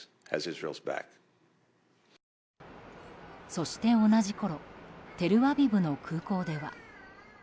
そして、同じころテルアビブの空港では。